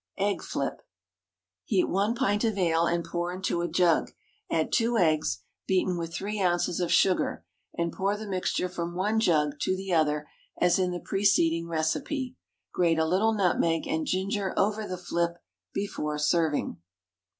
Egg flip. Heat one pint of ale, and pour into a jug. Add two eggs, beaten with three ounces of sugar, and pour the mixture from one jug to the other, as in the preceding recipe. Grate a little nutmeg and ginger over the flip before serving.